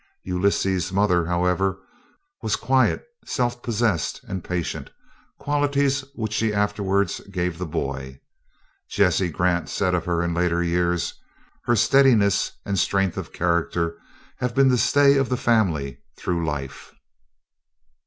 Ulysses' mother, however, was quiet, self possessed, and patient qualities which she afterwards gave the boy. Jesse Grant said of her in later years: "Her steadiness and strength of character have been the stay of the family through life."